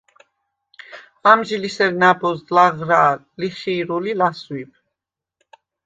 ამჟი ლი სერ ნა̈ბოზდ ლაღრა̄ლ, ლიხი̄რულ ი ლასვიბ.